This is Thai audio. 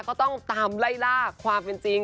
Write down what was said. ก็ต้องตามไล่ล่าความเป็นจริง